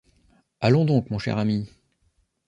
Allons donc, mon cher ami !